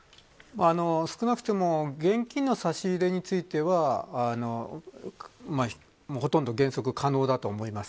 少なくとも現金の差し入れについてはほとんど原則可能だと思います。